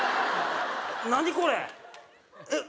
何これえっ？